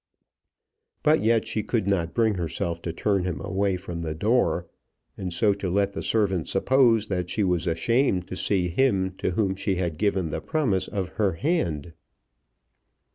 But yet she could not bring herself to turn him away from the door, and so to let the servant suppose that she was ashamed to see him to whom she had given the promise of her hand.